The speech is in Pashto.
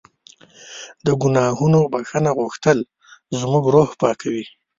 د ګناهونو بښنه غوښتل زموږ روح پاکوي.